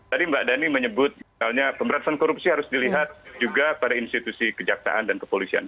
tadi mbak dhani menyebut misalnya pemberantasan korupsi harus dilihat juga pada institusi kejaksaan dan kepolisian